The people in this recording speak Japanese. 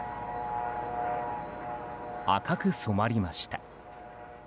赤く染まりました。